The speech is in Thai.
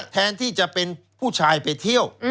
แทนที่จะเป็นผู้ชายไปเที่ยว